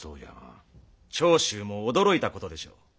長州も驚いたことでしょう。